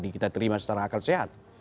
kita terima secara akal sehat